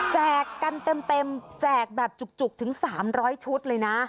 แจกกันเต็มแจกแบบจุกถึง๓๐๐ชุดเลยนะ